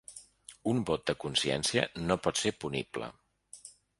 Un vot de consciència no pot ser punible